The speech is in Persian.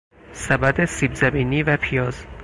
سبد سیبزمینی و پیاز